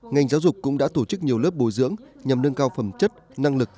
ngành giáo dục cũng đã tổ chức nhiều lớp bồi dưỡng nhằm nâng cao phẩm chất năng lực